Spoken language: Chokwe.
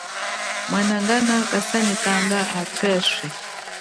Mwanangana kasanyikanga athu eswe.